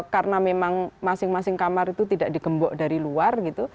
karena memang masing masing kamar itu tidak dikembok dari luar gitu